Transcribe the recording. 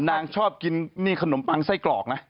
นางชอบกินนี่ขนมปังไส้กรอกนะ